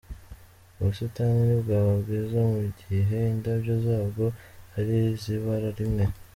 Ubusitani ntibwaba bwiza mu gihe indabyo zabwo ari iz’ibara rimwe.